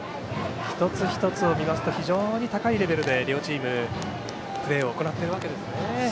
一つ一つを見ますと非常に高いレベルで両チームプレーを行っているわけですね。